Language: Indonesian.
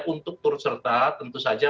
untuk turut serta tentu saja